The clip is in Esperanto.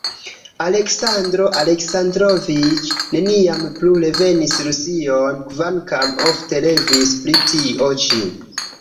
Aleksandro Aleksandroviĉ neniam plu revenis Rusion, kvankam ofte revis pri tio ĉi.